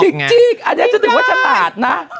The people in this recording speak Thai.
จริงอันนี้จะถือว่าฉลาดนะ